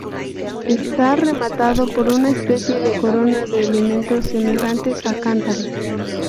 Está rematado por una especie de corona de elementos semejantes a cántaros.